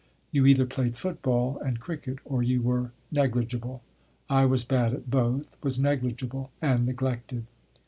You either played football and cricket or you were negligible. I was bad at both, was negligible, and neglected.